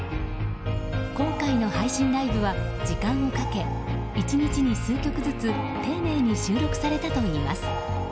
今回の配信ライブは時間をかけ１日に数曲ずつ丁寧に収録されたといいます。